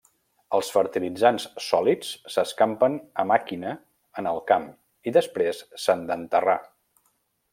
Els fertilitzants sòlids s'escampen a màquina en el camp i després s'han d'enterrar.